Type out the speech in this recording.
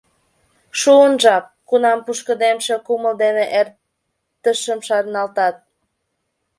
Шуын жап, кунам пушкыдемше кумыл дене эртышым шарналтат.